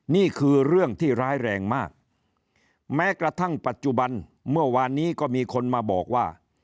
นี่คือเรื่องที่ร้ายแรงมากแม้กระทั่งปัจจุบันเมื่อวานนี้ก็มีคนมาบอกว่า